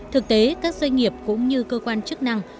thực tế các doanh nghiệp cũng như cơ quan chức năng